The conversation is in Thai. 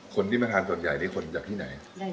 คนที่มาทานส่วนใหญ่นี่คนจากที่ไหน